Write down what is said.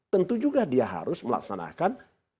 tentu juga dia harus melaksanakan